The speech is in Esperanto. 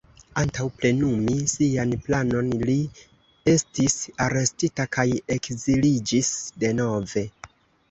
Antaŭ plenumi sian planon, li estis arestita kaj ekziliĝis denove.